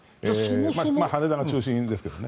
羽田が中心ですけどね。